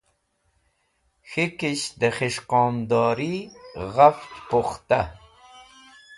K̃hikisht de Khis̃hqom Dori Ghafch Pukhta